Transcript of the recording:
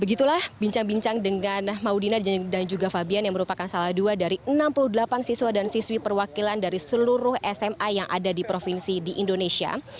begitulah bincang bincang dengan maudina dan juga fabian yang merupakan salah dua dari enam puluh delapan siswa dan siswi perwakilan dari seluruh sma yang ada di provinsi di indonesia